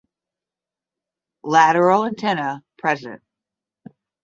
Lateral antennae present.